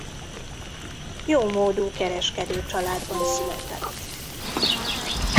Jómódú kereskedőcsaládban született.